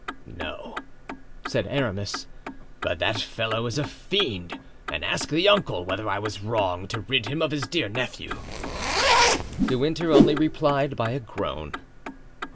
"No," said Aramis, "but that fellow is a fiend; and ask the uncle whether I was wrong to rid him of his dear nephew." De Winter only replied by a groan.